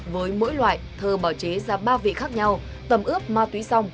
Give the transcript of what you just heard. với mỗi loại thơ bảo chế ra ba vị khác nhau tầm ướp ma túy xong